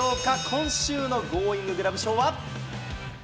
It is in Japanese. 今週のゴーインググラブ賞は？